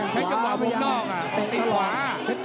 แค่จำหวะมุมนอกอ่ะติดขวา